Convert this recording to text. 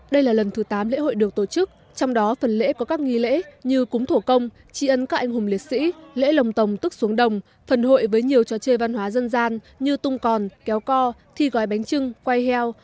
đây là lần thứ tám lễ hội được tổ chức trong đó phần lễ có các nghi lễ như cúng thổ công tri ân các anh hùng liệt sĩ lễ lồng tồng tức xuống đồng phần hội với nhiều trò chơi văn hóa dân gian như tung còn kéo co thi gói bánh trưng quay heo